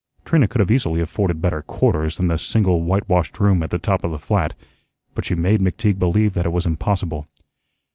Trina could have easily afforded better quarters than the single whitewashed room at the top of the flat, but she made McTeague believe that it was impossible.